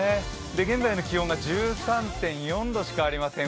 現在の気温が１３．４度しかありません。